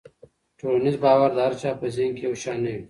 ټولنیز باور د هر چا په ذهن کې یو شان نه وي.